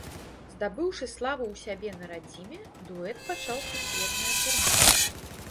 Здабыўшы славу ў сябе на радзіме, дуэт пачаў сусветнае турнэ.